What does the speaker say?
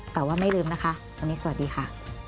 แต่ว่าไม่ลืมนะคะวันนี้สวัสดีค่ะ